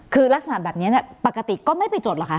คือลักษณะแบบนี้ปกติก็ไม่ไปจดหรอกค่ะ